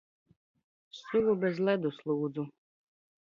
Sulu bez ledus, l?dzu.